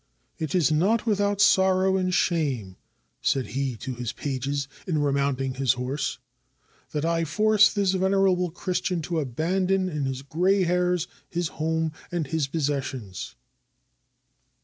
" It is not without sorrow and shame," said he to his pages in remounting his horse, "that I force this venerable Christian to abandon in his gray hairs his home and his possessions."